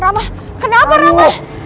rama kenapa rama